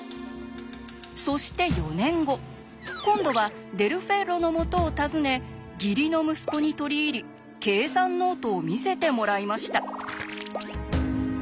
そして４年後今度はデル・フェッロのもとを訪ね義理の息子に取り入り計算ノートを見せてもらいました。